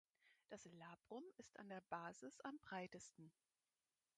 Das Labrum ist an der Basis am breitesten.